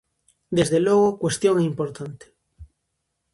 Desde logo, cuestión é importante.